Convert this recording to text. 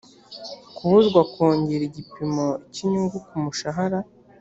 kubuzwa kongera igipimo cy inyungu ku mushahara